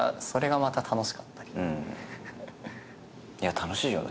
楽しいよね。